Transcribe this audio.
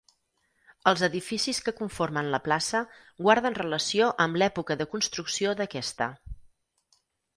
Els edificis que conformen la plaça guarden relació amb l'època de construcció d'aquesta.